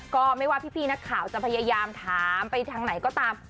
ก็ไม่ว่าพี่นักข่าวจะพยายามถามไปทางไหนก็ตาม